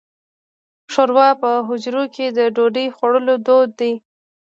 شوروا په حجرو کې د ډوډۍ خوړلو دود دی.